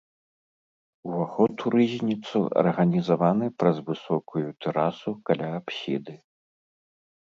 Уваход у рызніцу арганізаваны праз высокую тэрасу каля апсіды.